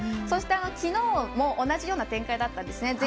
そして、昨日も同じような展開だったんですね。